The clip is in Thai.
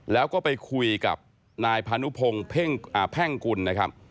แล้วก็ไปคุยกับนายพานุพงศ์แพ่งกุลนะครับ